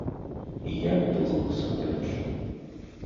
І як было насамрэч?